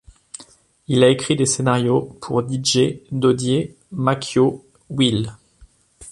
Il a écrit des scénarios pour Didgé, Dodier, Makyo, Will.